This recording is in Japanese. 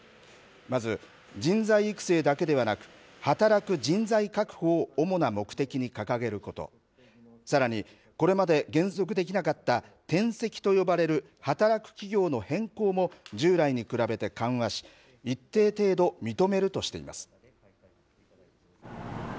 まず、人材育成だけではなく、働く人材確保を主な目的に掲げること、さらにこれまで原則できなかった、転籍と呼ばれる働く企業の変更も、従来に比べて緩和し、一定程度、認めるとしています。